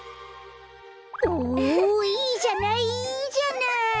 おおいいじゃないいいじゃない。